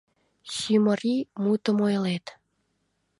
Сӱмыри мутым ойлет.